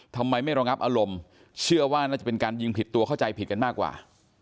ทำไมไม่ระงับอารมณ์เชื่อว่าน่าจะเป็นการยิงผิดตัวเข้าใจผิดกันมากกว่า